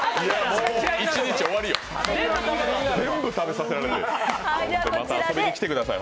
もう一日終わりよ、全部食べさせられて。